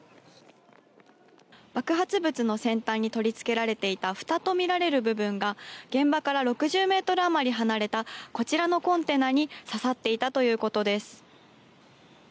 爆発物の先端に取り付けられていたふたと見られる部分が現場から６０メートル余り離れたこちらのコンテナに刺さっていたということです。